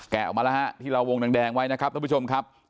ออกมาแล้วฮะที่เราวงแดงไว้นะครับท่านผู้ชมครับ